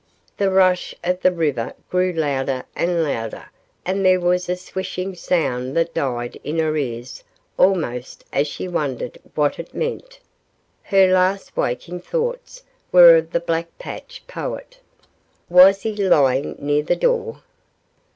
The rush of the river grew louder and louder and there was a swishing sound that died in her ears almost as she wondered what it meant. Her last waking thoughts were of the "black patch" poet. Was he lying near the door?